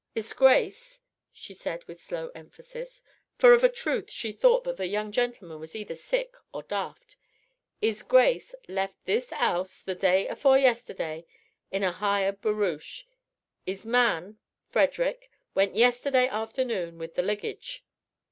"'Is Grace," she said with slow emphasis, for of a truth she thought that the young gentleman was either sick or daft, "'Is Grace left this 'ouse the day afore yesterday in a hired barouche. 'Is man Frederick went yesterday afternoon with the liggage.